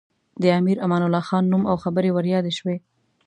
د امیر امان الله خان نوم او خبرې ور یادې شوې.